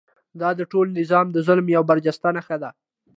دا د ټول نظام د ظلم یوه برجسته نښه ده.